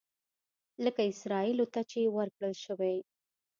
لکه اسرائیلو ته چې ورکړل شوي.